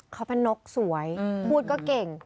เขาเป็นนกสวยพูดก็เก่ง